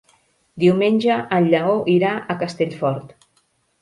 Diumenge en Lleó irà a Castellfort.